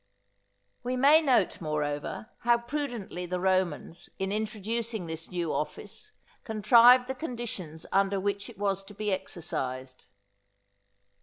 We may note, moreover, how prudently the Romans, in introducing this new office, contrived the conditions under which it was to be exercised.